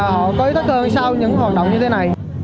họ có ý thức cơ sau những hoạt động như thế này